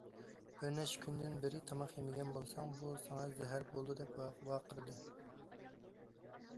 بىر نەچچە كۈندىن بېرى تاماق يېمىگەن بولساڭ، بۇ ساڭا زەھەر بولىدۇ!- دەپ ۋارقىرىدى.